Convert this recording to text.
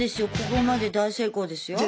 ここまで大成功ですよ。